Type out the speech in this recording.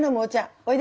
おいで。